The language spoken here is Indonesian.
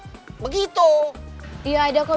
kalo yang jelek tuh nanti pasti dapet hukuman